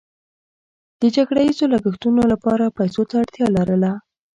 د جګړه ییزو لګښتونو لپاره پیسو ته اړتیا لرله.